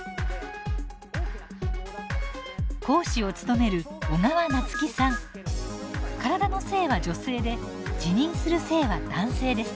講師を務める体の性は女性で自認する性は男性です。